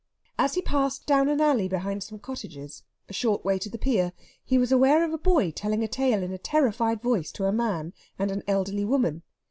As he passed down an alley behind some cottages a short way to the pier he was aware of a boy telling a tale in a terrified voice to a man and an elderly woman.